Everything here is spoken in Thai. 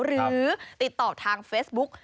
หรือติดต่อทางเฟซบุ๊ก